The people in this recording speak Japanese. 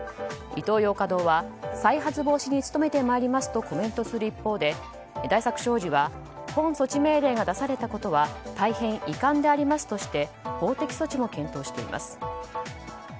イトーヨーカ堂は再発防止に努めてまいりますとコメントする一方で、大作商事は本措置命令が出されたことは大変遺憾でありますとして法的措置も検討しています。